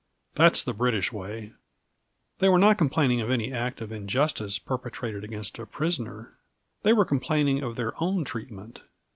That's the British way." They were not complaining of any act of injustice perpetrated against a prisoner. They were complaining of their own treatment.